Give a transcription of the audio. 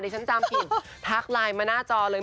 ฉันจำผิดทักไลน์มาหน้าจอเลย